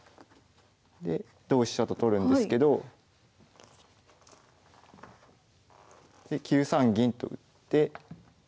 で同飛車と取るんですけどで９三銀と打って。